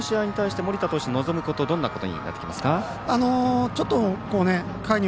そして次の試合に対して盛田投手望むことどんなことになってきますか？